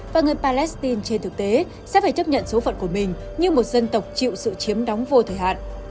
và người palestine trên thực tế sẽ phải chấp nhận số phận của mình như một dân tộc chịu sự chiếm đóng vô thời hạn